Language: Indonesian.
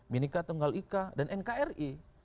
minika tunggal ika dan nkri